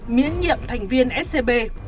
miễn nhiệm thành viên scb